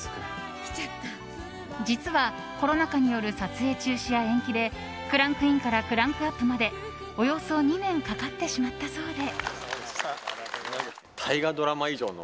実は、コロナ禍による撮影中止や延期でクランクインからクランクアップまでおよそ２年かかってしまったそうで。